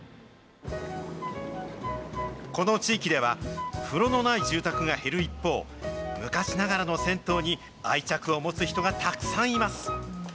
この地域では、風呂のない住宅が減る一方、昔ながらの銭湯に愛着を持つ人がたくさんいます。